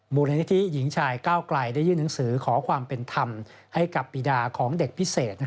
มูลนิธิหญิงชายก้าวไกลได้ยื่นหนังสือขอความเป็นธรรมให้กับปีดาของเด็กพิเศษ